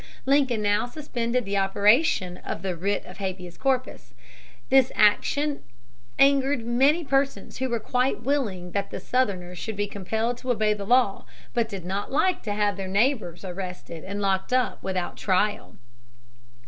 Lincoln now suspended the operation of the writ of habeas corpus. This action angered many persons who were quite willing that the Southerners should be compelled to obey the law, but did not like to have their neighbors arrested and locked up without trial.